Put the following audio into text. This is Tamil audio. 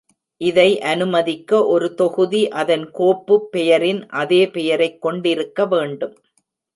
இதை அனுமதிக்க, ஒரு தொகுதி அதன் கோப்பு பெயரின் அதே பெயரைக் கொண்டிருக்க வேண்டும்.